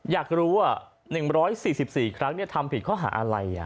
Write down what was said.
อยากรู้ว่า๑๔๔ครั้งทำผิดข้อหาอะไร